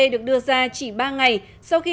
được đưa ra chỉ ba ngày sau khi